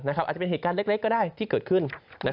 อาจจะเป็นเหตุการณ์เล็กก็ได้ที่เกิดขึ้น